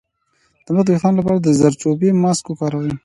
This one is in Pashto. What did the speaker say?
د مخ د ويښتانو لپاره د زردچوبې ماسک وکاروئ